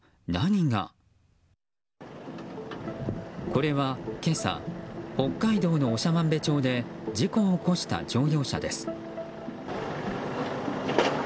これは今朝北海道の長万部町で事故を起こした乗用車です。